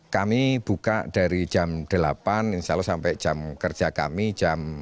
kami buka dari jam delapan insya allah sampai jam kerja kami jam enam